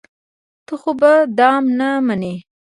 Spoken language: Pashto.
ته خو به دام نه منې.